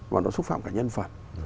và nó xúc phạm cả nhân phần